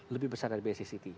lebih besar dari bc city